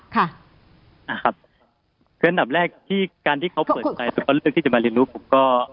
เพราะฉะนั้นดับแรกที่การที่เขาเปิดใจตอนเรื่องที่จะมาเรียนรู้ก็